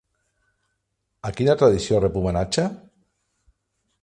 A quina tradició rep homenatge?